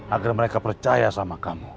agar mereka percaya sama kamu